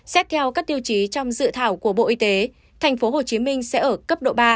xét theo các tiêu chí trong dự thảo của bộ y tế thành phố hồ chí minh sẽ ở cấp độ ba